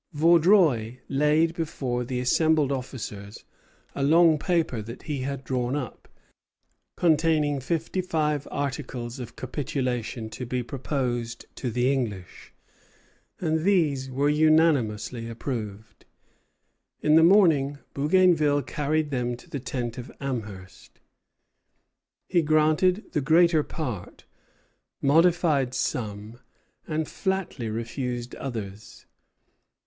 Vaudreuil laid before the assembled officers a long paper that he had drawn up, containing fifty five articles of capitulation to be proposed to the English; and these were unanimously approved. In the morning Bougainville carried them to the tent of Amherst. He granted the greater part, modified some, and flatly refused others.